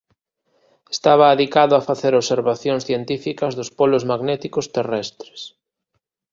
Estaba adicado a facer observacións científicas dos polos magnéticos terrestres.